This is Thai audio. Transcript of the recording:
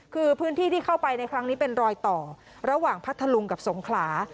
คือพื้นที่ที่เข้าไปในครั้งนี้เป็นรอยต่อระหว่างพัทธลุงกับสงขลา